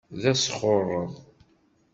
D asxuṛṛeḍ.